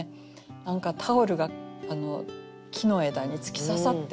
何かタオルが木の枝に突き刺さってる。